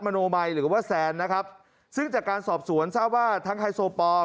โนมัยหรือว่าแซนนะครับซึ่งจากการสอบสวนทราบว่าทั้งไฮโซปอร์